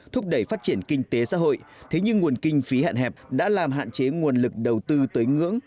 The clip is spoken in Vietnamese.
thúc đẩy phát triển kinh tế xã hội thế nhưng nguồn kinh phí hạn hẹp đã làm hạn chế nguồn lực đầu tư tới ngưỡng